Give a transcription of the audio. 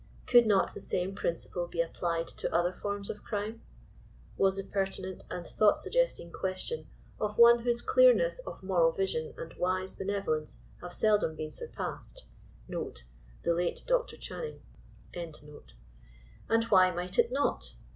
'* Could not the same prtn* ciple be applied to other forms of crime?" — was the pertinent and thought suggesting question of one whose clearness of moral vision and wise benevolence have seldom been surpassed.* And why might it not?